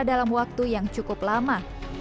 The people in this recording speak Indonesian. dalam waktu yang cukup lama